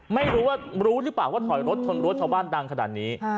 ไม่รู้รู้หรือเปล่าว่าถอยรถชนรั้วชาวบ้านดังขนาดนี้